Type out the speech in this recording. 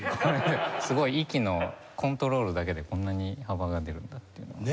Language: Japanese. すごい息のコントロールだけでこんなに幅が出るんだっていうのは。